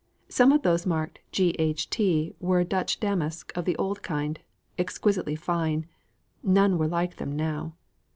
Some of those marked G. H. T. were Dutch damask of the old kind, exquisitely fine; none were like them now.